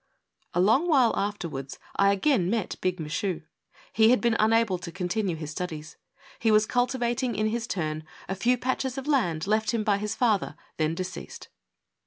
A long while afterwards I again met Big Michu. He had been unable to continue his studies. He was culti vating, in his turn, a few patches of land left him by his father, then deceased.